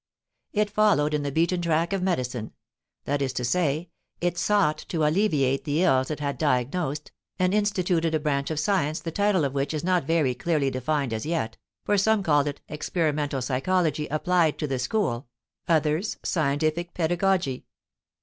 It followed in the beaten track of medicine that is to say, it sought to alleviate the ills it had diagnosed, and instituted a branch of science the title of which is not very clearly defined as yet, for some call it experimental psychology applied to the school, others Scientific Pedagogy.